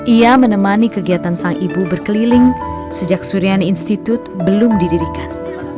ia menemani kegiatan sang ibu berkeliling sejak suriani institute belum didirikan